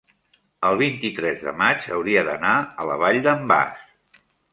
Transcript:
el vint-i-tres de maig hauria d'anar a la Vall d'en Bas.